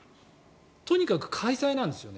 とにかく開催なんですよね。